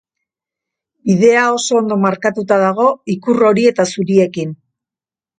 Bidea oso ondo markatuta dago ikur hori eta zuriekin.